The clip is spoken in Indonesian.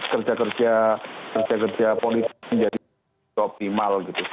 kerja kerja politik menjadi optimal gitu